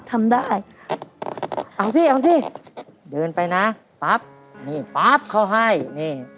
ทำได้เอาสิเอาสิเดินไปนะปั๊บนี่ปั๊บเขาให้นี่